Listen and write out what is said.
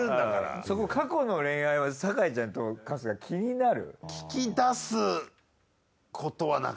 そこ過去の恋愛は酒井ちゃんと春日気になる？